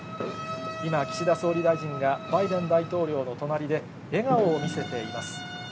今、岸田総理大臣がバイデン大統領の隣で、笑顔を見せています。